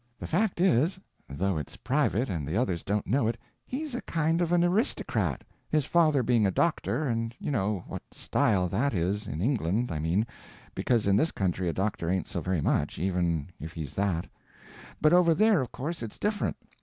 The fact is, though it's private, and the others don't know it, he's a kind of an aristocrat, his father being a doctor, and you know what style that is—in England, I mean, because in this country a doctor ain't so very much, even if he's that. But over there of course it's different.